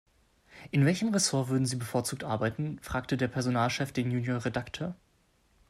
In welchem Ressort würden Sie bevorzugt arbeiten?, fragte der Personalchef den Junior-Redakteur.